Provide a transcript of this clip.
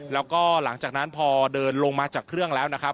แล้วก็หลังจากนั้นพอเดินลงมาจากเครื่องแล้วนะครับ